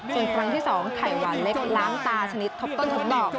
ส่วนครั้งที่๒ไข่หวานเล็กล้างตาชนิดทบต้นทบดอก